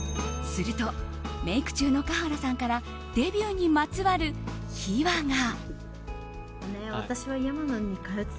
するとメイク中の華原さんからデビューにまつわる秘話が。